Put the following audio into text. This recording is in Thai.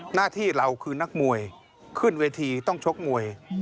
หน้าที่เราคือนักมวยขึ้นเวทีต้องชกมวย